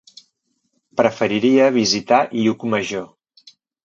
Preferiria visitar Llucmajor.